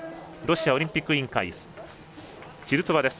ロシアオリンピック委員会チルツォワ。